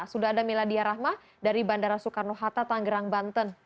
sudah ada miladia rahma dari bandara soekarno hatta tanggerang banten